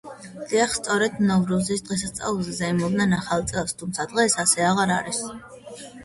დიახ, სწორედ ნოვრუზის დღესასწაულზე ზეიმობდნენ ახალ წელს, თუმცა დღეს ასე აღარ არის.